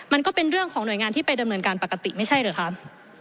มันก็เป็นเรื่องของหน่วยงานที่ไปดำเนินการปกติไม่ใช่หรือครับ